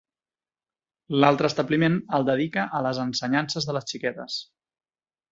L'altre establiment el dedica a les ensenyances de les xiquetes.